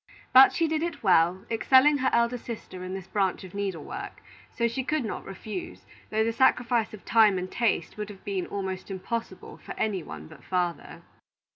But she did it well, excelling her elder sister in this branch of needle work; so she could not refuse, though the sacrifice of time and taste would have been almost impossible for any one but father.